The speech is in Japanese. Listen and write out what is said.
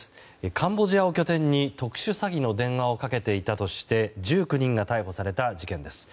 カンボジアを拠点に特殊詐欺の電話をかけていたとして１９人が逮捕された事件です。